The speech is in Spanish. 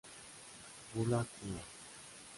Bula Quo!